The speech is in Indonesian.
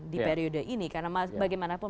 di periode ini karena bagaimanapun